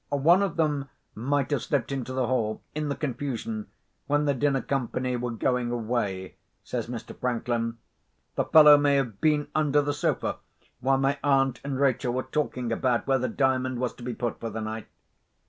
"One of them might have slipped into the hall, in the confusion, when the dinner company were going away," says Mr. Franklin. "The fellow may have been under the sofa while my aunt and Rachel were talking about where the Diamond was to be put for the night.